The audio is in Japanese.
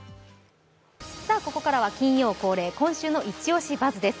ここからは金曜恒例、「今週のイチオシバズ！」です。